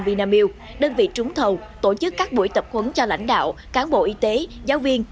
vinamilk đơn vị trúng thầu tổ chức các buổi tập huấn cho lãnh đạo cán bộ y tế giáo viên